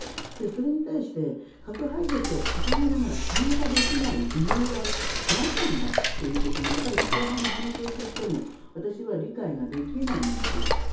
それに対して核廃絶を掲げながら参加できない理由は何なんだということが岸田さんのお話を聞いても私は理解ができないんです。